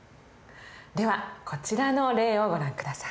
ではこちらの例をご覧下さい。